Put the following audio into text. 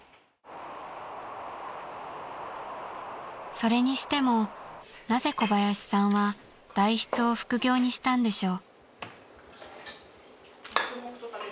［それにしてもなぜ小林さんは代筆を副業にしたんでしょう］